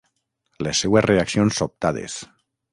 Les seues reaccions sobtades.